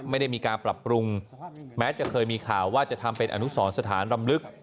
ไม่ได้มีการปรับปรุงแม้จะเคยมีข่าวว่าจะทำเป็นอนุสรสถานรำลึก